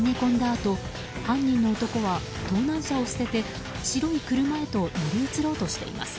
あと犯人の男は盗難車を捨てて白い車へと乗り移ろうとしています。